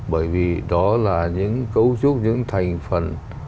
bởi vì đó là những cấu trúc những thành phần